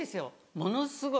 ものすごい